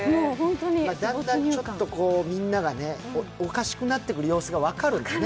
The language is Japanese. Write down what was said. だんだんみんながおかしくなってくる様子が分かるんですね。